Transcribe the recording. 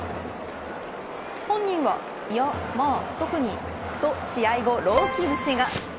本人は、いやまあ特にと試合後、ろうき節が。